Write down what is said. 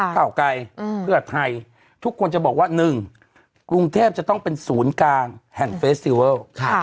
ก้าวไกรเพื่อไทยทุกคนจะบอกว่า๑กรุงเทพจะต้องเป็นศูนย์กลางแห่งเฟสติเวิล